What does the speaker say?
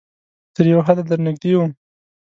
تر یو حده درنږدې وم